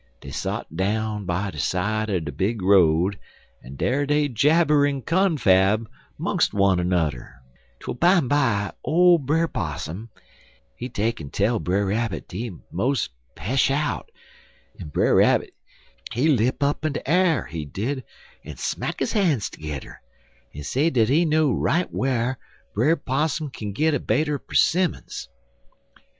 Dey sot down by de side er de big road, en dar dey jabber en confab 'mong wunner nudder, twel bimeby old Brer Possum, he take 'n tell Brer Rabbit dat he mos' pe'sh out, en Brer Rabbit, he lip up in de a'r, he did, en smack his han's tergedder, en say dat he know right whar Brer Possum kin git a bait er 'simmons.